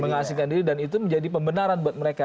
menghasilkan diri dan itu menjadi pembenaran buat mereka